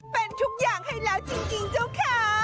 เป็นทุกอย่างให้แล้วจริงเจ้าค่ะ